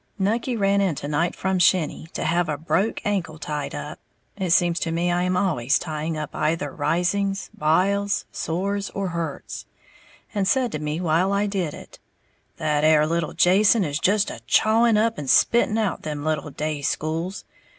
Nucky ran in to night from shinny, to have a "broke" ankle tied up, (it seems to me I am always tying up either "risings," "biles," sores or hurts) and said to me while I did it, "That 'ere little Jason is just a chawing up and spitting out them little day schools.